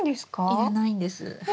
要らないんです。